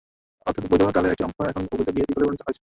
অর্থাৎ বৈধ কলের একটি অংশ এখন অবৈধ ভিওআইপি কলে পরিণত হয়েছে।